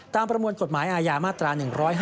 ประมวลกฎหมายอาญามาตรา๑๕